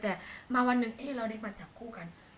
แต่มาวันหนึ่งเอ๊ะเราได้บัตรจับคู่กัน